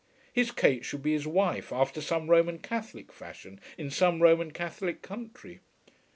His Kate should be his wife after some Roman Catholic fashion in some Roman Catholic country.